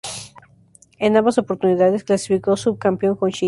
En ambas oportunidades clasificó subcampeón con Chile.